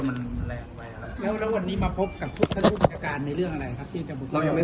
แม้วัตดีมาพบกับทุกทุกฐานในเรื่องอะไรครับเราไม่